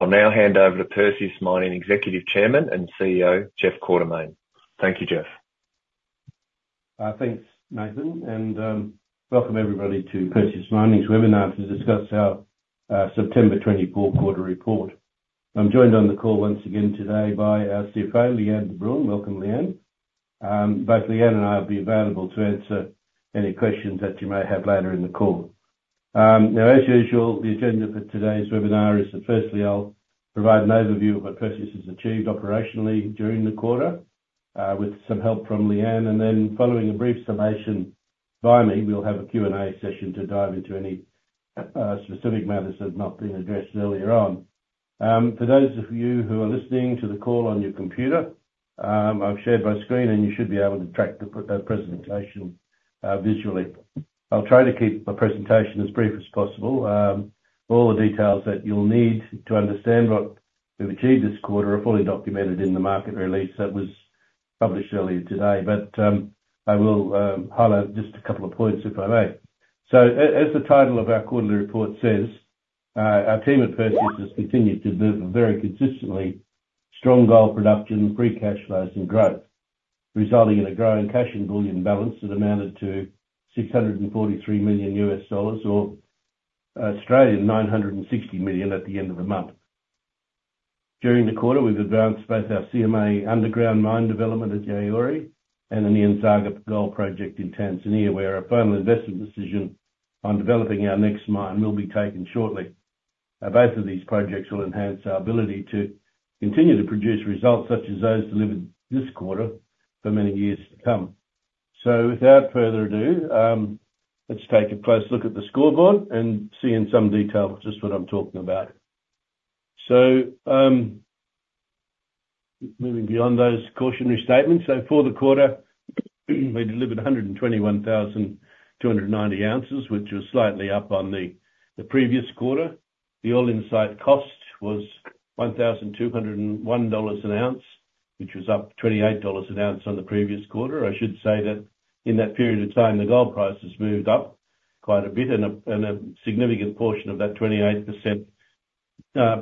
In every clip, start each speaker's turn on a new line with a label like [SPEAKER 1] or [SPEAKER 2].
[SPEAKER 1] I'll now hand over to Perseus Mining Executive Chairman and CEO, Jeff Quartermaine. Thank you, Jeff.
[SPEAKER 2] Thanks, Nathan, and welcome everybody to Perseus Mining's webinar to discuss our September 2024 quarter report. I'm joined on the call once again today by our CFO, Lee-Anne de Bruin. Welcome, Lee-Anne. Both Lee-Anne and I will be available to answer any questions that you may have later in the call. Now, as usual, the agenda for today's webinar is that firstly, I'll provide an overview of what Perseus has achieved operationally during the quarter, with some help from Lee-Anne, and then following a brief summation by me, we'll have a Q&A session to dive into any specific matters that have not been addressed earlier on. For those of you who are listening to the call on your computer, I've shared my screen, and you should be able to track the presentation visually. I'll try to keep my presentation as brief as possible. All the details that you'll need to understand what we've achieved this quarter are fully documented in the market release that was published earlier today. But, I will, highlight just a couple of points, if I may. So as the title of our quarterly report says, our team at Perseus has continued to deliver very consistently strong gold production, free cash flows, and growth, resulting in a growing cash and bullion balance that amounted to $643 million, or 960 million at the end of the month. During the quarter, we've advanced both our CMA underground mine development at Yaouré and the Nyanzaga gold project in Tanzania, where a final investment decision on developing our next mine will be taken shortly. Both of these projects will enhance our ability to continue to produce results such as those delivered this quarter for many years to come. So without further ado, let's take a close look at the scoreboard and see in some detail just what I'm talking about. So, moving beyond those cautionary statements, so for the quarter, we delivered 121,290 ounces, which was slightly up on the previous quarter. The all-in site cost was $1,201 an ounce, which was up $28 an ounce on the previous quarter. I should say that in that period of time, the gold price has moved up quite a bit, and a significant portion of that 28%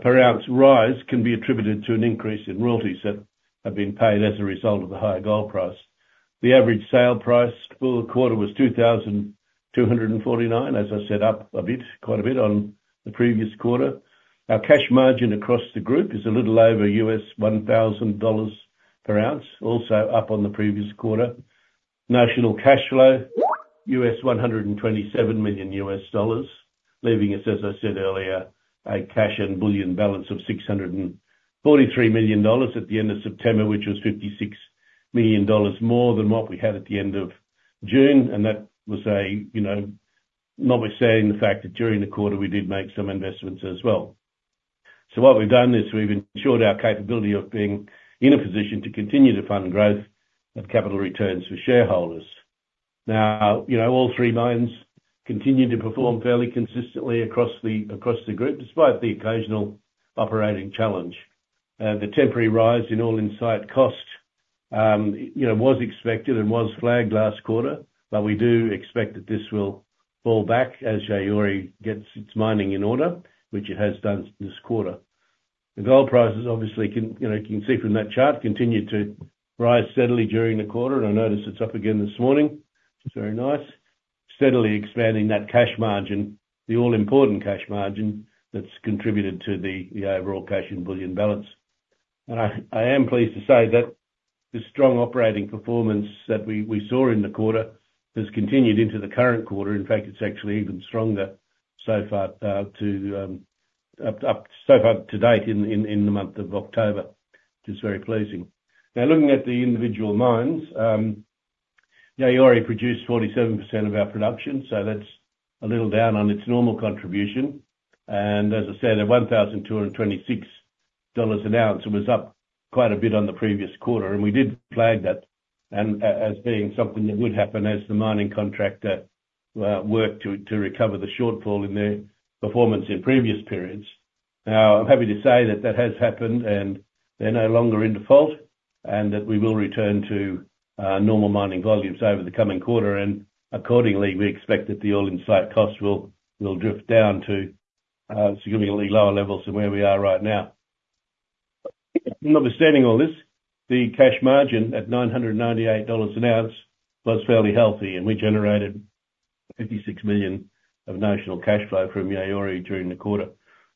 [SPEAKER 2] per ounce rise can be attributed to an increase in royalties that have been paid as a result of the higher gold price. The average sale price for the quarter was $2,249, as I said, up a bit, quite a bit on the previous quarter. Our cash margin across the group is a little over $1,000 per ounce, also up on the previous quarter. Notional cash flow of $127 million, leaving us, as I said earlier, a cash and bullion balance of $643 million at the end of September, which was $56 million more than what we had at the end of June, and that was, you know, notwithstanding the fact that during the quarter, we did make some investments as well. So what we've done is we've ensured our capability of being in a position to continue to fund growth and capital returns for shareholders. Now, you know, all three mines continue to perform fairly consistently across the group, despite the occasional operating challenge. The temporary rise in all-in site cost, you know, was expected and was flagged last quarter, but we do expect that this will fall back as Yaouré gets its mining in order, which it has done this quarter. The gold prices obviously can, you know, you can see from that chart, continued to rise steadily during the quarter, and I notice it's up again this morning. It's very nice. Steadily expanding that cash margin, the all-important cash margin, that's contributed to the overall cash and bullion balance, and I am pleased to say that the strong operating performance that we saw in the quarter has continued into the current quarter. In fact, it's actually even stronger so far to date in the month of October, which is very pleasing. Now, looking at the individual mines, Yaouré produced 47% of our production, so that's a little down on its normal contribution. As I said, at $1,226 an ounce, it was up quite a bit on the previous quarter, and we did flag that as being something that would happen as the mining contractor worked to recover the shortfall in their performance in previous periods. Now, I'm happy to say that that has happened, and they're no longer in default, and that we will return to normal mining volumes over the coming quarter, and accordingly, we expect that the all-in site cost will drift down to significantly lower levels than where we are right now. Notwithstanding all this, the cash margin at $998 an ounce was fairly healthy, and we generated $56 million of notional cash flow from Yaouré during the quarter.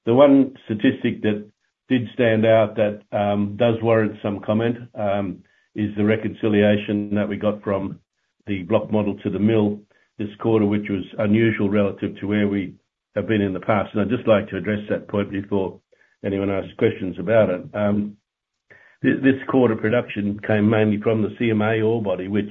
[SPEAKER 2] The one statistic that did stand out that does warrant some comment is the reconciliation that we got from the block model to the mill this quarter, which was unusual relative to where we have been in the past. I'd just like to address that point before anyone asks questions about it. This quarter production came mainly from the CMA ore body, which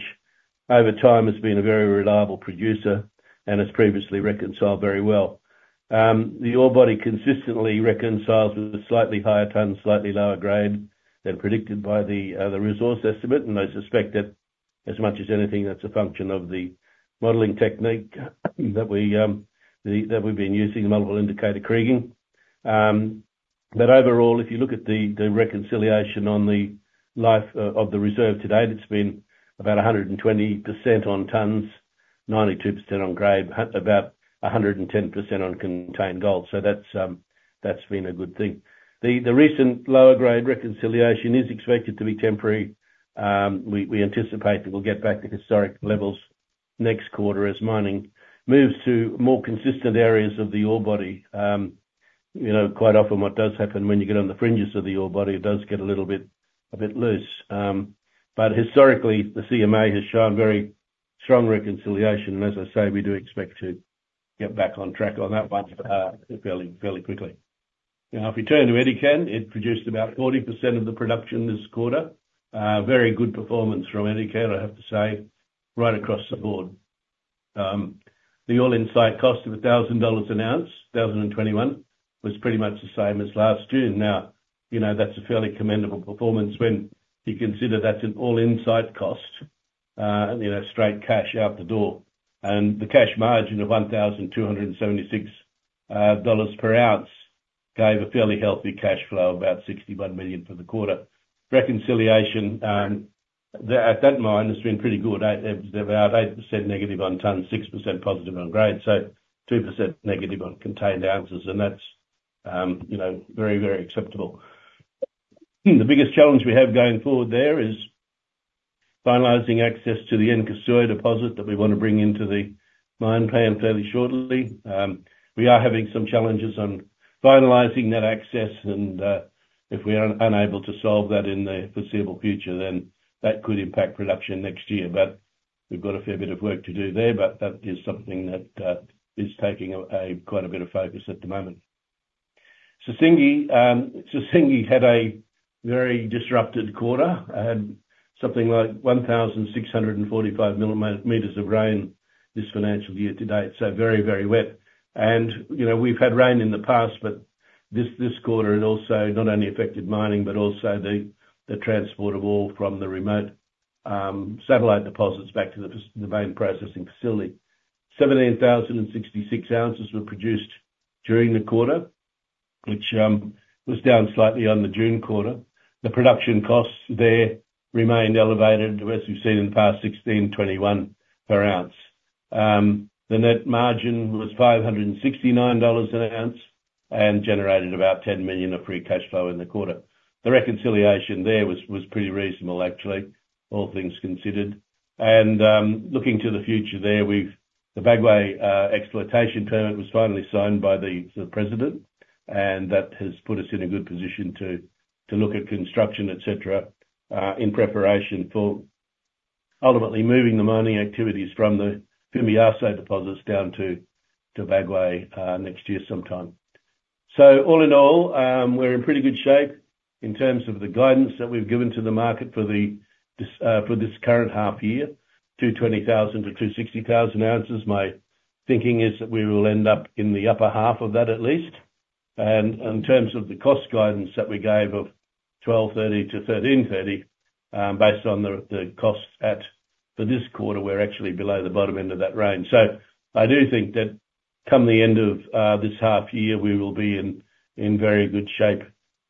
[SPEAKER 2] over time has been a very reliable producer and has previously reconciled very well. The ore body consistently reconciles with a slightly higher ton, slightly lower grade than predicted by the resource estimate, and I suspect that as much as anything, that's a function of the modeling technique that we've been using, multiple indicator kriging. But overall, if you look at the reconciliation on the life of the reserve to date, it's been about 120% on tons, 92% on grade, about 110% on contained gold. So that's been a good thing. The recent lower grade reconciliation is expected to be temporary. We anticipate that we'll get back to historic levels next quarter as mining moves to more consistent areas of the ore body. You know, quite often what does happen when you get on the fringes of the ore body, it does get a little bit loose. But historically, the CMA has shown very strong reconciliation. As I say, we do expect to get back on track on that one fairly quickly. Now, if we turn to Edikan, it produced about 40% of the production this quarter. Very good performance from Edikan, I have to say, right across the board. The all-in site cost of $1,000 an ounce in 2021 was pretty much the same as last June. Now, you know, that's a fairly commendable performance when you consider that's an all-in site cost, you know, straight cash out the door. The cash margin of $1,276 dollars per ounce gave a fairly healthy cash flow, about $61 million for the quarter. Reconciliation at that mine has been pretty good. They're about 8% down on tons, 6% up on grade, so 2% down on contained ounces, and that's, you know, very, very acceptable. The biggest challenge we have going forward there is finalizing access to the Nkosuo deposit that we want to bring into the mine plan fairly shortly. We are having some challenges on finalizing that access, and if we are unable to solve that in the foreseeable future, then that could impact production next year, but we've got a fair bit of work to do there, but that is something that is taking quite a bit of focus at the moment. Sissingué had a very disrupted quarter. It had something like 1,645 millimeters of rain this financial year-to-date, so very, very wet and, you know, we've had rain in the past, but this quarter, it also not only affected mining but also the transport of ore from the remote satellite deposits back to the main processing facility. 17,066 ounces were produced during the quarter, which was down slightly on the June quarter. The production costs there remained elevated, as we've seen in the past, to $1,621 per ounce. The net margin was $569 an ounce and generated about $10 million of free cash flow in the quarter. The reconciliation there was pretty reasonable, actually, all things considered. Looking to the future there, the Bagoué exploitation permit was finally signed by the president, and that has put us in a good position to look at construction, et cetera, in preparation for ultimately moving the mining activities from the Fimbiasso deposits down to Bagoué next year sometime. So all in all, we're in pretty good shape in terms of the guidance that we've given to the market for this current half year, 220,000-260,000 ounces. My thinking is that we will end up in the upper half of that, at least. In terms of the cost guidance that we gave of $1,230-$1,330, based on the costs for this quarter, we're actually below the bottom end of that range. So I do think that come the end of this half year, we will be in very good shape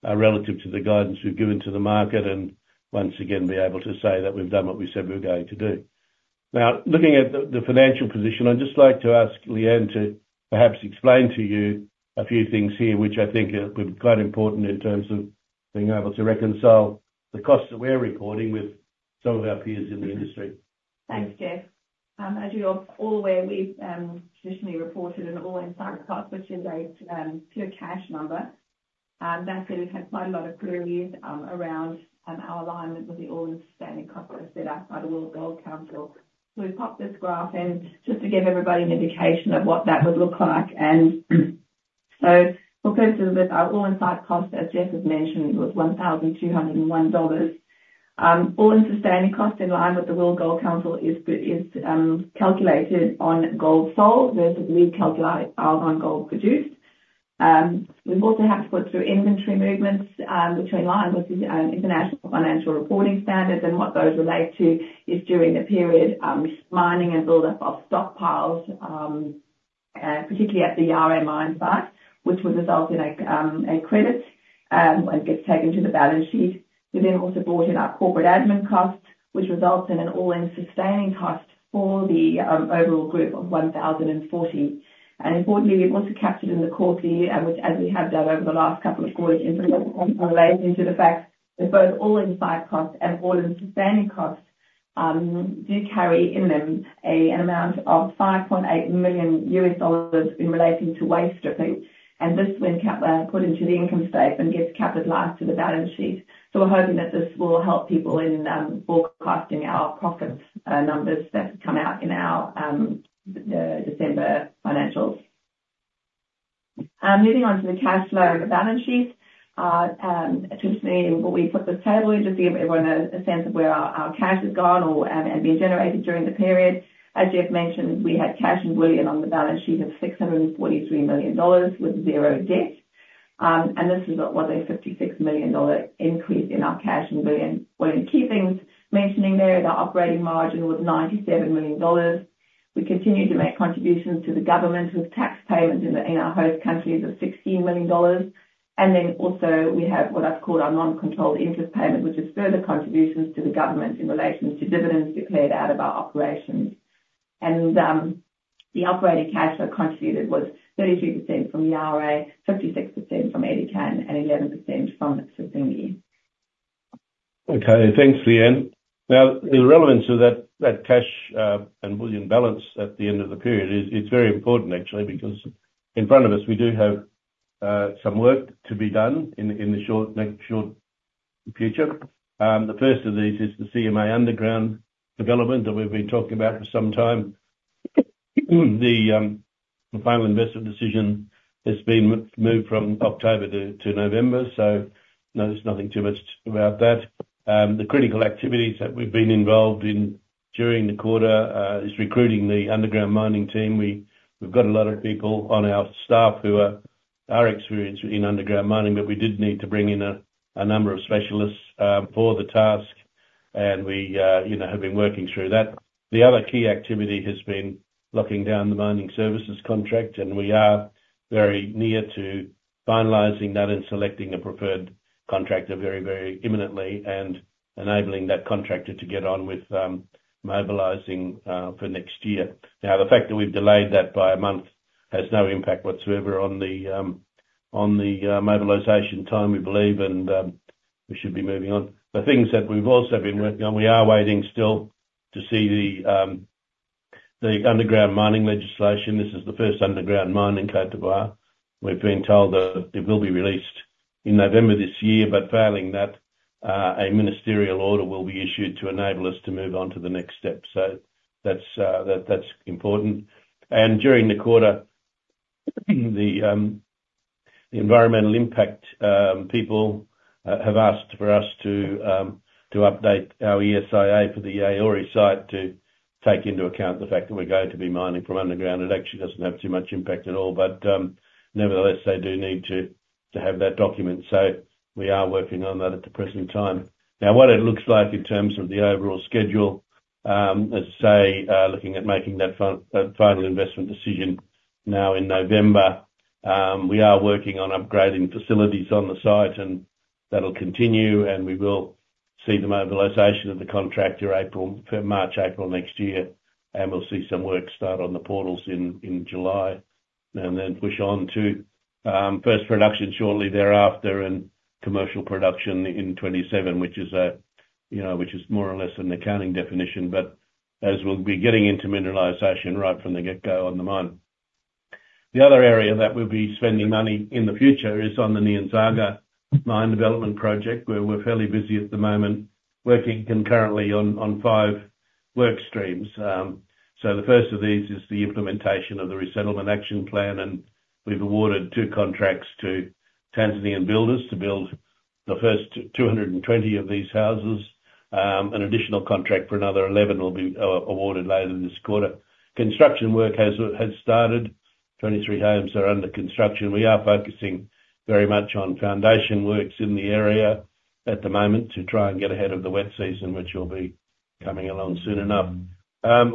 [SPEAKER 2] relative to the guidance we've given to the market, and once again, be able to say that we've done what we said we were going to do. Now, looking at the financial position, I'd just like to ask Lee-Anne to perhaps explain to you a few things here, which I think are, were quite important in terms of being able to reconcile the costs that we're recording with some of our peers in the industry.
[SPEAKER 3] Thanks, Jeff. As you're all aware, we've traditionally reported an all-in site cost, which is a pure cash number. That's where we've had quite a lot of queries around our alignment with the all-in sustaining cost that was set out by the World Gold Council. So we popped this graph in just to give everybody an indication of what that would look like. So for purposes with our all-in site cost, as Jeff has mentioned, it was $1,201. All-in sustaining cost, in line with the World Gold Council, is calculated on gold sold, versus we calculate ours on gold produced. We've also had to put through inventory movements, which are in line with the International Financial Reporting Standards. What those relate to is during the period mining and buildup of stockpiles, particularly at the Yaouré mine site, which would result in a credit and gets taken to the balance sheet. We then also brought in our corporate admin costs, which results in an all-in sustaining cost for the overall group of $1,040. Importantly, we've also captured in the cost here, and which as we have done over the last couple of quarters, relating to the fact that both all-in site costs and all-in sustaining costs do carry in them an amount of $5.8 million in relating to waste stripping and this when put into the income statement, gets capitalized to the balance sheet. We're hoping that this will help people in forecasting our profits numbers that come out in our December financials. Moving on to the cash flow and the balance sheet. Just seeing what we put this table in, just to give everyone a sense of where our cash has gone or and been generated during the period. As Jeff mentioned, we had cash and bullion on the balance sheet of $643 million with zero debt. This is a $56 million increase in our cash and bullion. One of the key things mentioning there, the operating margin was $97 million. We continued to make contributions to the government, with tax payments in our host countries of $16 million. Then also, we have what I've called our non-controlled interest payment, which is further contributions to the government in relation to dividends paid out of our operations. The operating cash flow contributed was 33% from Yaouré, 56% from Edikan, and 11% from Sissingué.
[SPEAKER 2] Okay, thanks, Lee-Anne. Now, the relevance of that cash and bullion balance at the end of the period is, it's very important actually, because in front of us, we do have some work to be done in the next short future. The first of these is the CMA underground development that we've been talking about for some time. The final investment decision has been moved from October to November, so there's nothing too much about that. The critical activities that we've been involved in during the quarter is recruiting the underground mining team. We've got a lot of people on our staff who are experienced in underground mining, but we did need to bring in a number of specialists for the task, and we, you know, have been working through that. The other key activity has been locking down the mining services contract, and we are very near to finalizing that and selecting a preferred contractor very, very imminently, and enabling that contractor to get on with mobilizing for next year. Now, the fact that we've delayed that by a month has no impact whatsoever on the mobilization time, we believe, and we should be moving on. The things that we've also been working on, we are waiting still to see the underground mining legislation. This is the first underground mine in Côte d'Ivoire. We've been told that it will be released in November this year, but failing that, a ministerial order will be issued to enable us to move on to the next step. So that's important. During the quarter, the environmental impact people have asked for us to update our ESIA for the Yaouré site, to take into account the fact that we're going to be mining from underground. It actually doesn't have too much impact at all, but nevertheless, they do need to have that document. We are working on that at the present time. Now, what it looks like in terms of the overall schedule, let's say, looking at making that final investment decision now in November, we are working on upgrading facilities on the site, and that'll continue, and we will see the mobilization of the contractor March, April next year. We'll see some work start on the portals in July, and then push on to first production shortly thereafter, and commercial production in 2027, which is, you know, more or less an accounting definition, but as we'll be getting into mineralization right from the get-go on the mine. The other area that we'll be spending money in the future is on the Nyanzaga Mine Development Project, where we're fairly busy at the moment, working concurrently on five work streams. The first of these is the implementation of the Resettlement Action Plan, and we've awarded two contracts to Tanzanian builders to build the first 220 of these houses. An additional contract for another eleven will be awarded later this quarter. Construction work has started. 23 homes are under construction. We are focusing very much on foundation works in the area at the moment, to try and get ahead of the wet season, which will be coming along soon enough.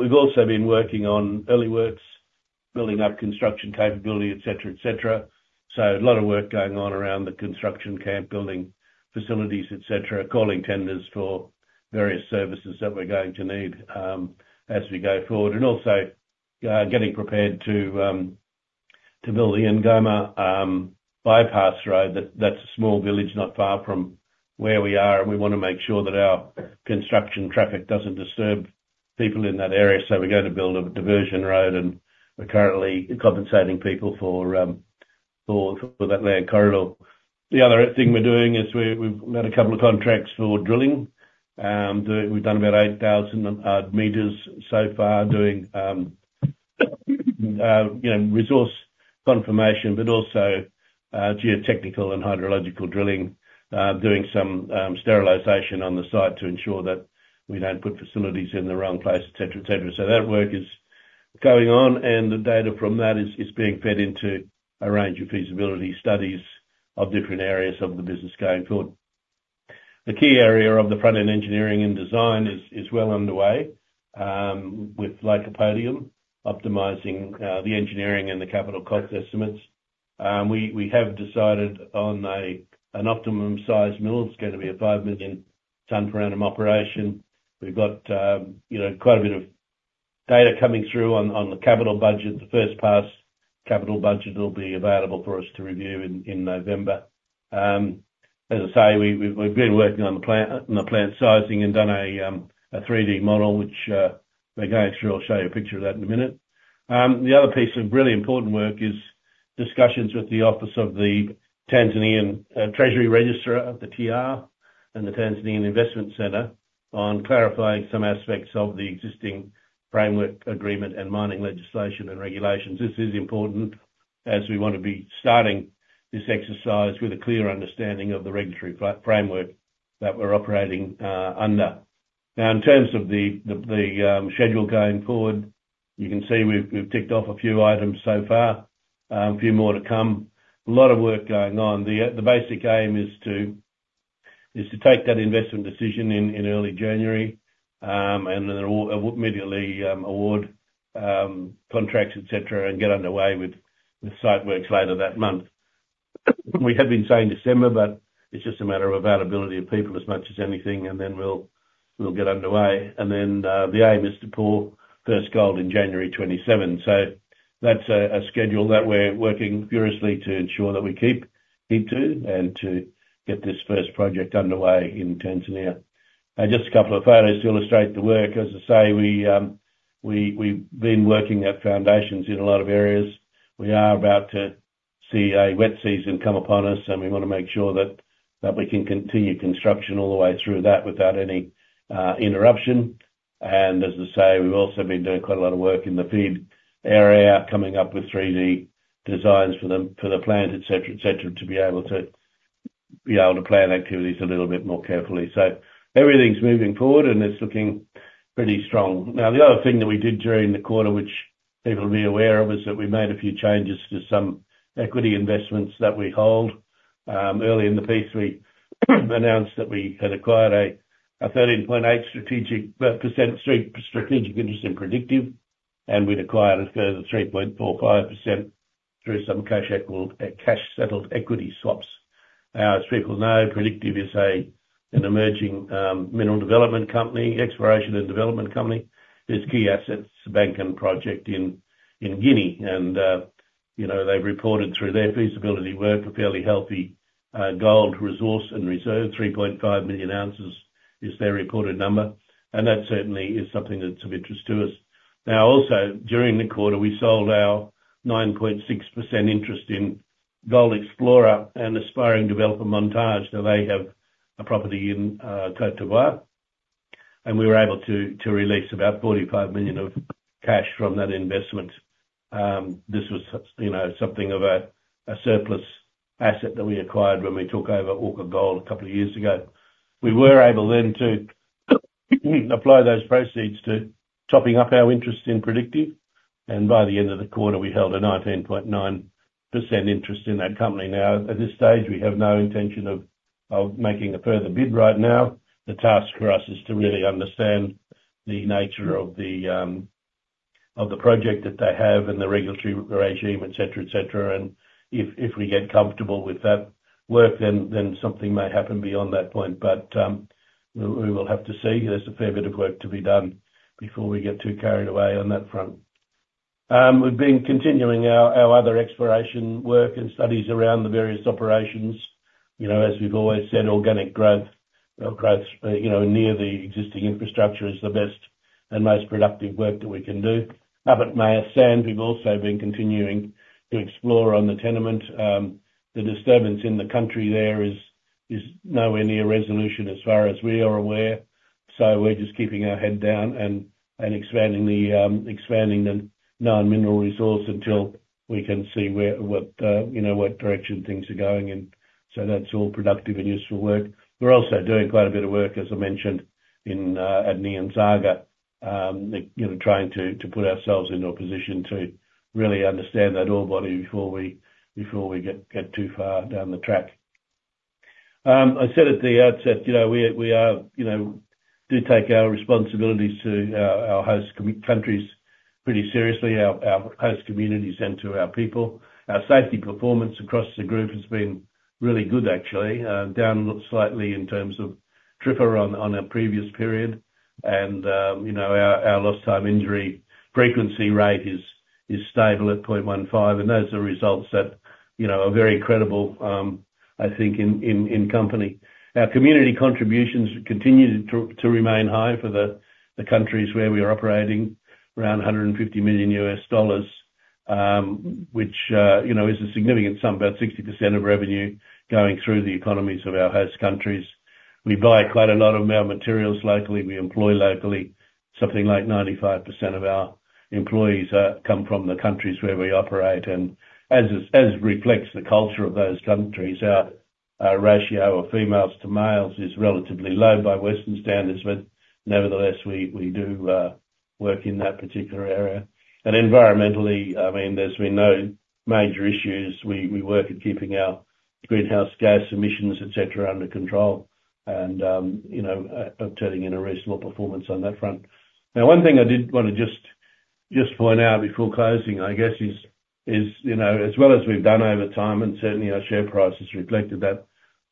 [SPEAKER 2] We've also been working on early works, building up construction capability, et cetera, et cetera. So a lot of work going on around the construction camp, building facilities, et cetera. Calling tenders for various services that we're going to need, as we go forward. Also, getting prepared to build the Ngoma bypass road. That's a small village, not far from where we are, and we wanna make sure that our construction traffic doesn't disturb people in that area. So we're going to build a diversion road, and we're currently compensating people for that land corridor. The other thing we're doing is we've met a couple of contracts for drilling. We've done about 8,000 meters so far, doing, you know, resource confirmation, but also geotechnical and hydrological drilling. Doing some sterilization on the site to ensure that we don't put facilities in the wrong place, et cetera, et cetera. So that work is going on, and the data from that is being fed into a range of feasibility studies of different areas of the business going forward. The key area of the front-end engineering and design is well underway, with Lycopodium optimizing the engineering and the capital cost estimates. We have decided on an optimum size mill. It's gonna be a 5 million ton per annum operation. We've got, you know, quite a bit of data coming through on the capital budget. The first pass capital budget will be available for us to review in November. As I say, we've been working on the plan, on the plant sizing and done a 3-D model, which we're going through. I'll show you a picture of that in a minute. The other piece of really important work is discussions with the Office of the Tanzanian Treasury Registrar, the TR, and the Tanzanian Investment Centre, on clarifying some aspects of the existing framework agreement in mining legislation and regulations. This is important, as we want to be starting this exercise with a clear understanding of the regulatory framework that we're operating under. Now, in terms of the schedule going forward, you can see we've ticked off a few items so far, a few more to come. A lot of work going on. The basic aim is to take that investment decision in early January, and then immediately award contracts, et cetera, and get underway with site works later that month. We had been saying December, but it's just a matter of availability of people as much as anything, and then we'll get underway. Then the aim is to pour first gold in January 2027. So that's a schedule that we're working furiously to ensure that we keep to, and to get this first project underway in Tanzania. Just a couple of photos to illustrate the work. As I say, we've been working at foundations in a lot of areas. We are about to see a wet season come upon us, and we want to make sure that we can continue construction all the way through that without any interruption. As I say, we've also been doing quite a lot of work in the FEED area, coming up with 3D designs for the plant, et cetera, to be able to plan activities a little bit more carefully. So everything's moving forward, and it's looking pretty strong. Now, the other thing that we did during the quarter, which people will be aware of, is that we made a few changes to some equity investments that we hold. Early in the piece, we announced that we had acquired a 13.8% strategic interest in Predictive, and we'd acquired a further 3.45% through some cash-settled equity swaps. As people know, Predictive is an emerging mineral development company, exploration and development company. Its key asset's Bankan project in Guinea, and you know, they've reported through their feasibility work a fairly healthy gold resource and reserve. 3.5 million ounces is their reported number, and that certainly is something that's of interest to us. Now, also, during the quarter, we sold our 9.6% interest in gold explorer and aspiring developer, Montage. Now, they have a property in Côte d'Ivoire, and we were able to release about $45 million of cash from that investment. This was you know, something of a surplus asset that we acquired when we took over Orca Gold a couple of years ago. We were able then to apply those proceeds to topping up our interest in Predictive, and by the end of the quarter, we held a 19.9% interest in that company. Now, at this stage, we have no intention of making a further bid right now. The task for us is to really understand the nature of the project that they have and the regulatory regime, et cetera, et cetera, and if we get comfortable with that work, then something may happen beyond that point, but we will have to see. There's a fair bit of work to be done before we get too carried away on that front. We've been continuing our other exploration work and studies around the various operations. You know, as we've always said, organic growth, you know, near the existing infrastructure is the best and most productive work that we can do. Up at Meyas Sand, we've also been continuing to explore on the tenement. The disturbance in the country there is nowhere near resolution as far as we are aware, so we're just keeping our head down and expanding the known mineral resource until we can see where, what, you know, what direction things are going in. So that's all productive and useful work. We're also doing quite a bit of work, as I mentioned, in, at Nyanzaga, you know, trying to put ourselves into a position to really understand that ore body before we get too far down the track. I said at the outset, you know, we are, you know, do take our responsibilities to our host countries pretty seriously, our host communities, and to our people. Our safety performance across the group has been really good, actually. Down slightly in terms of TRIR on our previous period, and, you know, our lost time injury frequency rate is stable at 0.15, and those are results that, you know, are very credible, I think in company. Our community contributions continue to remain high for the countries where we are operating, around $150 million, which, you know, is a significant sum, about 60% of revenue going through the economies of our host countries. We buy quite a lot of our materials locally. We employ locally. Something like 95% of our employees come from the countries where we operate. As reflects the culture of those countries, our ratio of females to males is relatively low by Western standards, but nevertheless, we do work in that particular area. Environmentally, I mean, there's been no major issues. We work at keeping our greenhouse gas emissions, et cetera, under control and, you know, turning in a reasonable performance on that front. Now, one thing I did wanna point out before closing, I guess is, you know, as well as we've done over time, and certainly our share price has reflected that,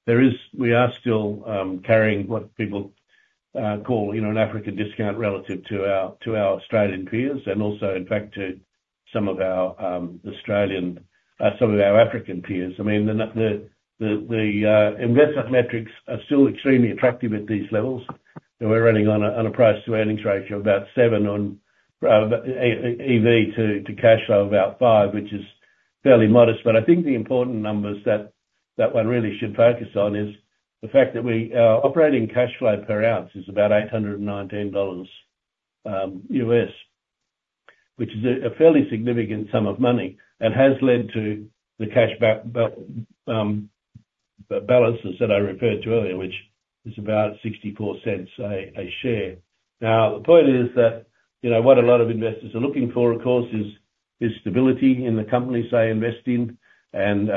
[SPEAKER 2] there is we are still carrying what people call, you know, an Africa discount relative to our Australian peers, and also, in fact, to some of our Australian, some of our African peers. I mean, the investment metrics are still extremely attractive at these levels. So we're running on a price-to-earnings ratio of about seven on EV to cash flow of about five, which is fairly modest. But I think the important numbers that one really should focus on is the fact that we, our operating cash flow per ounce is about $819, which is a fairly significant sum of money and has led to the cash balances that I referred to earlier, which is about 0.64 a share. Now, the point is that, you know, what a lot of investors are looking for, of course, is stability in the companies they invest in and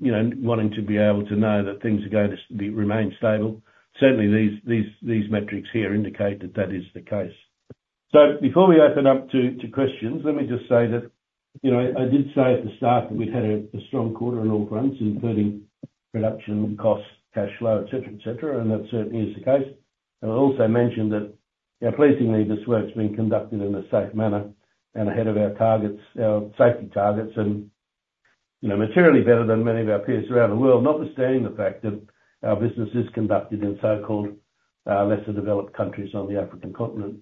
[SPEAKER 2] you know, wanting to be able to know that things are going to be remain stable. Certainly, these metrics here indicate that that is the case. So before we open up to questions, let me just say that, you know, I did say at the start that we'd had a strong quarter on all fronts, including production costs, cash flow, et cetera, et cetera, and that certainly is the case. I also mentioned that, you know, pleasingly, this work's being conducted in a safe manner and ahead of our targets, our safety targets, and, you know, materially better than many of our peers around the world, notwithstanding the fact that our business is conducted in so-called, lesser developed countries on the African continent.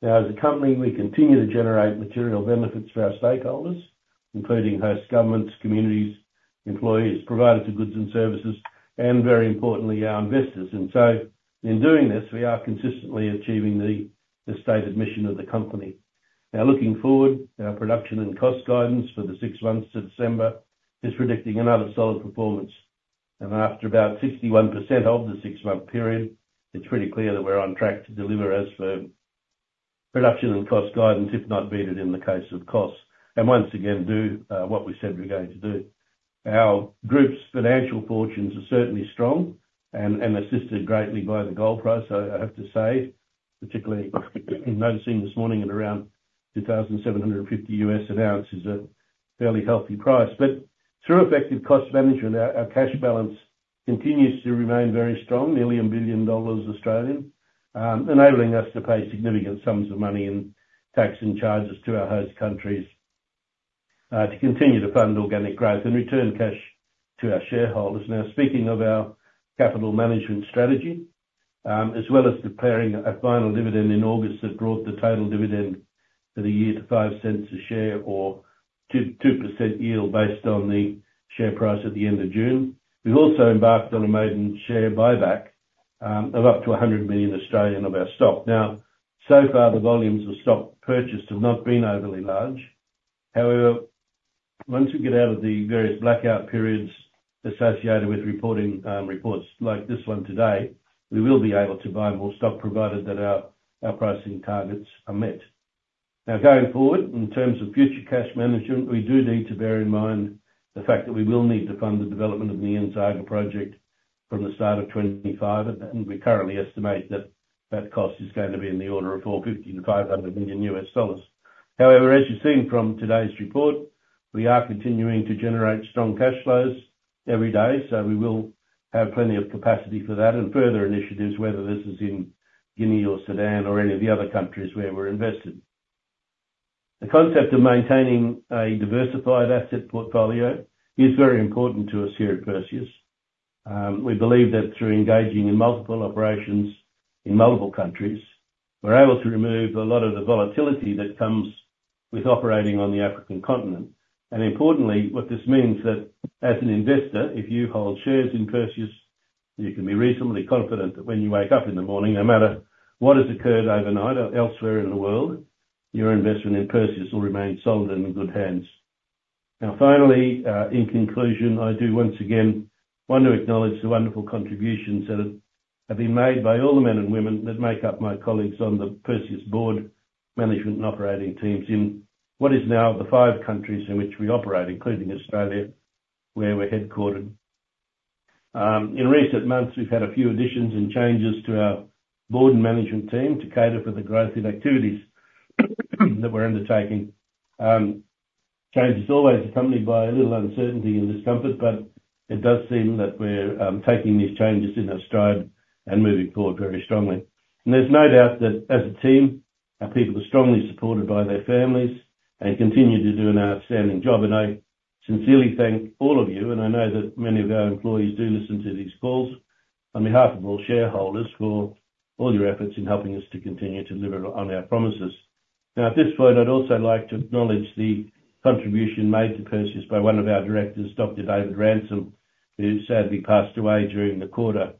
[SPEAKER 2] Now, as a company, we continue to generate material benefits for our stakeholders, including host governments, communities, employees, providers of goods and services, and very importantly, our investors. So in doing this, we are consistently achieving the stated mission of the company. Now, looking forward, our production and cost guidance for the six months to December is predicting another solid performance. After about 61% of the six-month period, it's pretty clear that we're on track to deliver as for production and cost guidance, if not beat it in the case of costs, and once again, do what we said we were going to do. Our group's financial fortunes are certainly strong and assisted greatly by the gold price, I have to say, particularly, noticing this morning at around $2,750 an ounce is a fairly healthy price. But through effective cost management, our cash balance continues to remain very strong, nearly 1 billion dollars, enabling us to pay significant sums of money in tax and charges to our host countries, to continue to fund organic growth and return cash to our shareholders. Now, speaking of our capital management strategy, as well as declaring a final dividend in August, that brought the total dividend for the year to 0.05 per share or 2% yield based on the share price at the end of June. We've also embarked on a maiden share buyback, of up to 100 million of our stock. Now, so far, the volumes of stock purchased have not been overly large. However, once we get out of the various blackout periods associated with reporting, reports like this one today, we will be able to buy more stock, provided that our pricing targets are met. Now, going forward, in terms of future cash management, we do need to bear in mind the fact that we will need to fund the development of the Nyanzaga project from the start of 2025, and we currently estimate that that cost is going to be in the order of $450-500 million. However, as you've seen from today's report, we are continuing to generate strong cash flows every day, so we will have plenty of capacity for that and further initiatives, whether this is in Guinea or Sudan or any of the other countries where we're invested. The concept of maintaining a diversified asset portfolio is very important to us here at Perseus. We believe that through engaging in multiple operations in multiple countries, we're able to remove a lot of the volatility that comes with operating on the African continent. Importantly, what this means that as an investor, if you hold shares in Perseus, you can be reasonably confident that when you wake up in the morning, no matter what has occurred overnight or elsewhere in the world, your investment in Perseus will remain solid and in good hands. Now, finally, in conclusion, I do once again want to acknowledge the wonderful contributions that have been made by all the men and women that make up my colleagues on the Perseus board, management, and operating teams in what is now the five countries in which we operate, including Australia, where we're headquartered. In recent months, we've had a few additions and changes to our board and management team to cater for the growth in activities that we're undertaking. Change is always accompanied by a little uncertainty and discomfort, but it does seem that we're taking these changes in our stride and moving forward very strongly, and there's no doubt that as a team, our people are strongly supported by their families and continue to do an outstanding job. I sincerely thank all of you, and I know that many of our employees do listen to these calls, on behalf of all shareholders, for all your efforts in helping us to continue to deliver on our promises. Now, at this point, I'd also like to acknowledge the contribution made to Perseus by one of our directors, Dr. David Ransom, who sadly passed away during the quarter.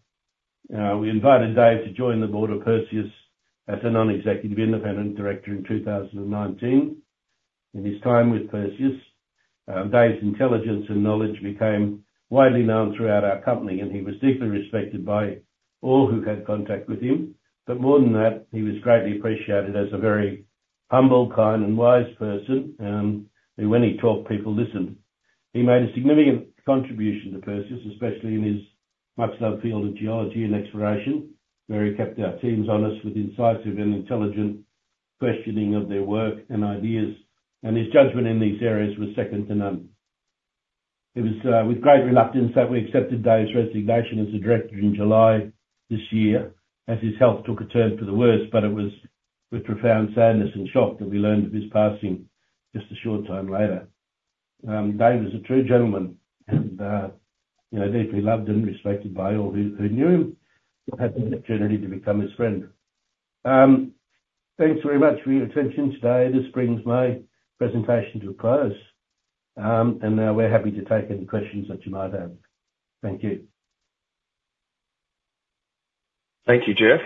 [SPEAKER 2] We invited Dave to join the board of Perseus as a non-executive independent director in 2019. In his time with Perseus, Dave's intelligence and knowledge became widely known throughout our company, and he was deeply respected by all who had contact with him, but more than that, he was greatly appreciated as a very humble, kind and wise person, and when he talked, people listened. He made a significant contribution to Perseus, especially in his much-loved field of geology and exploration, where he kept our teams honest with incisive and intelligent questioning of their work and ideas, and his judgment in these areas was second to none. It was with great reluctance that we accepted Dave's resignation as a director in July this year, as his health took a turn for the worse, but it was with profound sadness and shock that we learned of his passing just a short time later. Dave was a true gentleman, and you know, deeply loved and respected by all who knew him and had the opportunity to become his friend. Thanks very much for your attention today. This brings my presentation to a close, and we're happy to take any questions that you might have. Thank you.
[SPEAKER 1] Thank you, Jeff.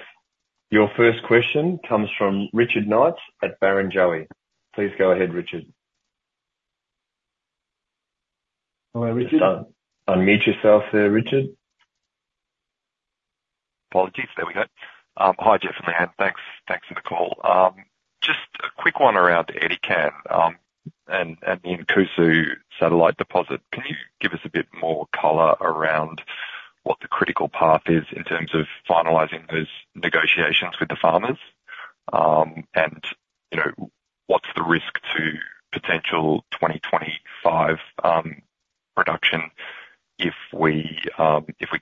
[SPEAKER 1] Your first question comes from Richard Knight at Barrenjoey. Please go ahead, Richard.
[SPEAKER 2] Hello, Richard.
[SPEAKER 1] Unmute yourself there, Richard.
[SPEAKER 4] Apologies. There we go. Hi, Jeff and the team. Thanks, thanks for the call. Quick one around the Edikan and the Nkosuo satellite deposit. Can you give us a bit more color around what the critical path is in terms of finalizing those negotiations with the farmers and, you know, what's the risk to potential 2025 production if we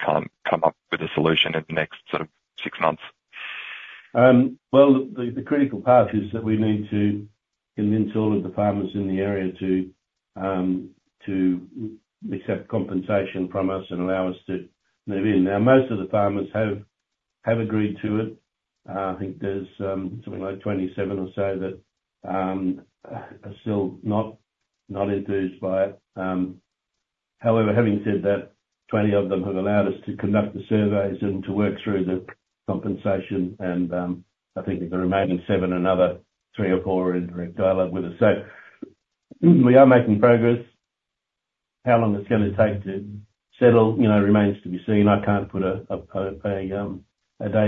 [SPEAKER 4] can't come up with a solution in the next sort of six months?
[SPEAKER 2] Well, the critical path is that we need to convince all of the farmers in the area to accept compensation from us and allow us to move in. Now, most of the farmers have agreed to it. I think there's something like 27 or so that are still not enthused by it. However, having said that, twenty of them have allowed us to conduct the surveys and to work through the compensation, and I think the remaining seven, another three or four are in direct dialogue with us. So we are making progress. How long it's gonna take to settle, you know, remains to be seen. I can't put a date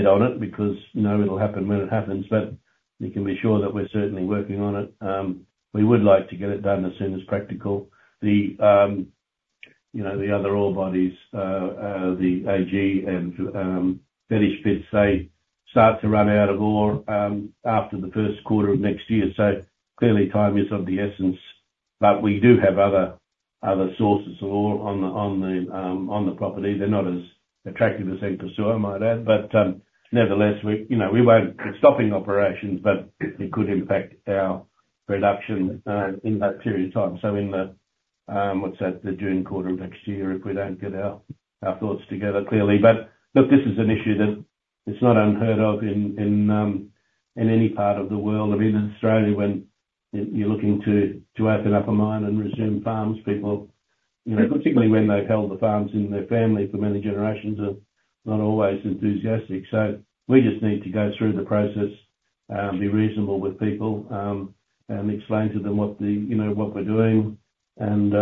[SPEAKER 2] on it because, you know, it'll happen when it happens, but you can be sure that we're certainly working on it. We would like to get it done as soon as practical. The, you know, the other ore bodies, the AG and Fetish, they start to run out of ore after the first quarter of next year. So clearly, time is of the essence, but we do have other sources of ore on the, on the, on the property. They're not as attractive as Nkosuo, I might add, but nevertheless, we, you know, we won't be stopping operations, but it could impact our production in that period of time. So in the, what's that? The June quarter of next year, if we don't get our thoughts together clearly. But look, this is an issue that it's not unheard of in, in any part of the world. I mean, in Australia, when you're looking to open up a mine and resume farms, people, you know, particularly when they've held the farms in their family for many generations, are not always enthusiastic. So we just need to go through the process, be reasonable with people, and explain to them what the... You know, what we're doing. And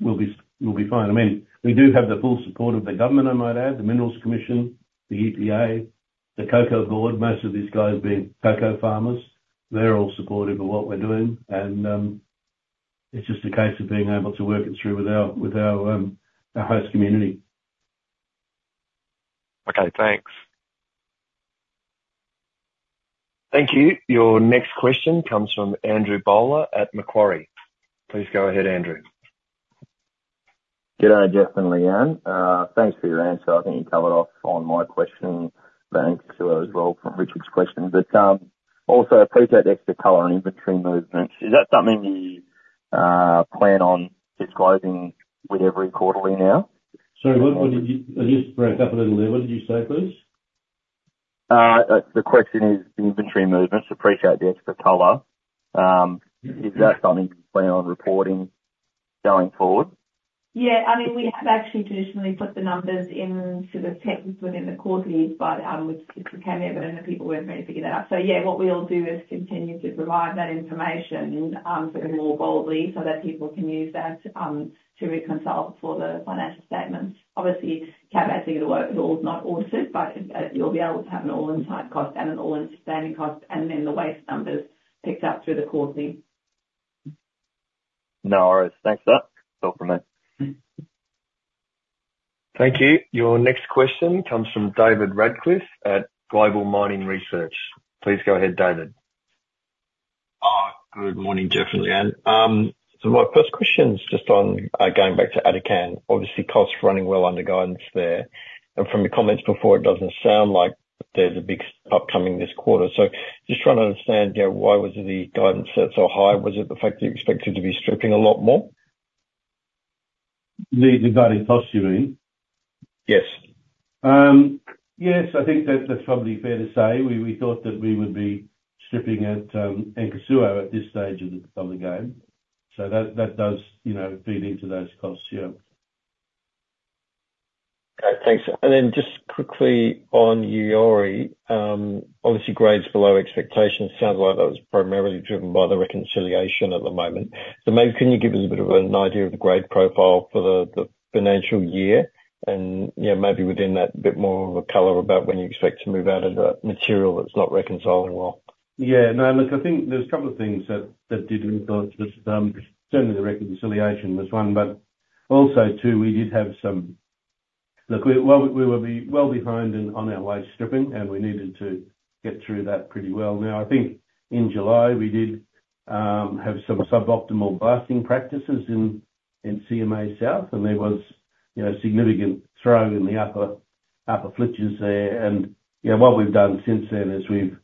[SPEAKER 2] we'll be fine. I mean, we do have the full support of the government. I might add, the Minerals Commission, the EPA, the Cocoa Board, most of these guys being cocoa farmers. They're all supportive of what we're doing, and it's just a case of being able to work it through with our host community.
[SPEAKER 4] Okay, thanks.
[SPEAKER 1] Thank you. Your next question comes from Andrew Bowler at Macquarie. Please go ahead, Andrew.
[SPEAKER 5] Good day, Jeff and Lee-Anne. Thanks for your answer. I think you covered off on my question, thanks to as well from Richard's question. But, also appreciate the extra color on inventory movements. Is that something you plan on disclosing with every quarterly now?
[SPEAKER 2] Sorry, what did you-- You just broke up a little there. What did you say, please?
[SPEAKER 5] The question is inventory movements. Appreciate the extra color. Is that something you plan on reporting going forward?
[SPEAKER 3] Yeah, I mean, we have actually traditionally put the numbers in sort of text within the quarterly, but we came out and the people weren't ready to pick that up. So yeah, what we'll do is continue to provide that information sort of more boldly, so that people can use that to reconcile for the financial statements. Obviously, reporting the work is not audited, but you'll be able to have an all-in site cost and an all-in sustaining cost, and then the waste numbers picked up through the quarterly.
[SPEAKER 5] No worries. Thanks, sir. All for me.
[SPEAKER 1] Thank you. Your next question comes from David Radclyffe at Global Mining Research. Please go ahead, David.
[SPEAKER 6] Good morning, Jeff and Lee-Anne, so my first question is just on, going back to Edikan. Obviously, costs are running well under guidance there, and from your comments before, it doesn't sound like there's a big upcoming this quarter, so just trying to understand, yeah, why was the guidance set so high? Was it the fact that you expected to be stripping a lot more?
[SPEAKER 2] The guiding costs, you mean?
[SPEAKER 6] Yes.
[SPEAKER 2] Yes, I think that's probably fair to say. We thought that we would be stripping at Nkosuo at this stage of the game. So that does, you know, feed into those costs, yeah.
[SPEAKER 6] Okay, thanks. Then just quickly on Yaouré. Obviously, grades below expectations. Sounds like that was primarily driven by the reconciliation at the moment. So maybe can you give us a bit of an idea of the grade profile for the financial year, and, you know, maybe within that, a bit more of a color about when you expect to move out of the material that's not reconciling well?
[SPEAKER 2] Yeah. No, look, I think there's a couple of things that did influence this. Certainly the reconciliation was one, but also, too, we did have some. Look, we, well, we were well behind in on our waste stripping, and we needed to get through that pretty well. Now, I think in July, we did have some suboptimal blasting practices in CMA South, and there was, you know, significant throwing in the upper, upper flitches there, and, you know, what we've done since then is we've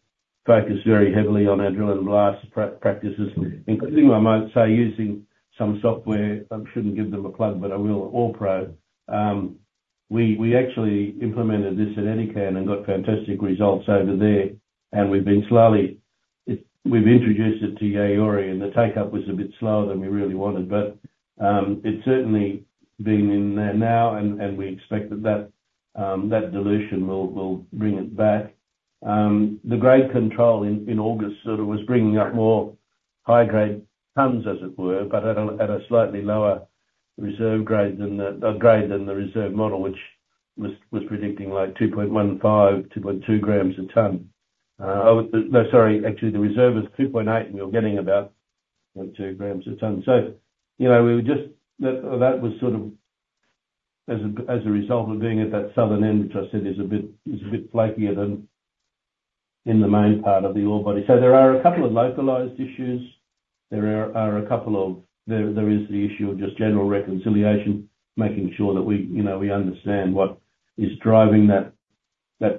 [SPEAKER 2] focused very heavily on our drill and blast practices, including, I might say, using some software. I shouldn't give them a plug, but I will, OrePro. We actually implemented this at Edikan and got fantastic results over there, and we've been slowly. We've introduced it to Yaouré, and the take-up was a bit slower than we really wanted, but it's certainly been in there now, and we expect that that dilution will bring it back. The grade control in August sort of was bringing up more high-grade tonnes, as it were, but at a slightly lower reserve grade than the, or grade than the reserve model, which was predicting, like, 2.15 gm, 2.2 gm a tonne. Oh, no, sorry, actually, the reserve is 2.8 gm, and we were getting about 2 gm a tonne. So, you know, we were just-- That was sort of as a result of being at that southern end, which I said is a bit flakier than in the main part of the ore body. So there are a couple of localized issues. There is the issue of just general reconciliation, making sure that we, you know, we understand what is driving that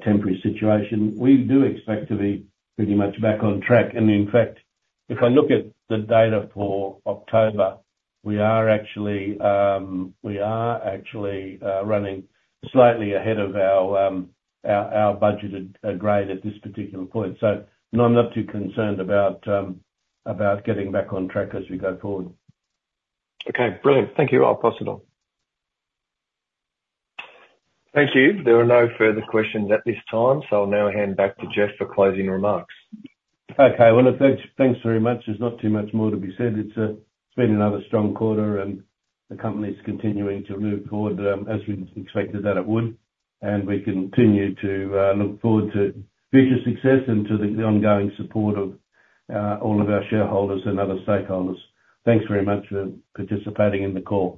[SPEAKER 2] temporary situation. We do expect to be pretty much back on track, and in fact, if I look at the data for October, we are actually running slightly ahead of our budgeted grade at this particular point. So, you know, I'm not too concerned about getting back on track as we go forward.
[SPEAKER 6] Okay, brilliant. Thank you. I'll pass it on.
[SPEAKER 1] Thank you. There are no further questions at this time, so I'll now hand back to Jeff for closing remarks.
[SPEAKER 2] Okay. Well, thanks, thanks very much. There's not too much more to be said. It's been another strong quarter, and the company's continuing to move forward, as we expected that it would and we continue to look forward to future success and to the ongoing support of all of our shareholders and other stakeholders. Thanks very much for participating in the call.